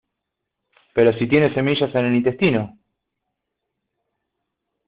pero si tiene semillas en el intestino